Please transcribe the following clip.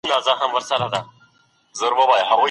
قومونو او د پښتنو د نیکونو نښي ګڼي.